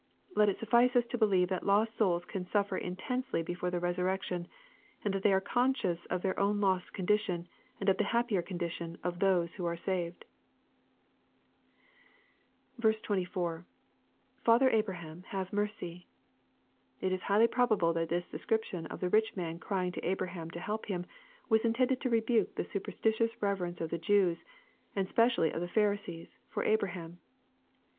Let it suffice us to believe that lost souls can suffer intensely before the resurrection, and that they are conscious of their own lost condition, and of the happier condition of those who are saved. 24. — [Father Abraham^ have mercy.] It is highly probable that this description of the rich man crying to Abraham to help him, was intended to rebuke the superstitious reverence of the Jev^rs, and specially of the Pharisees, for Abraham.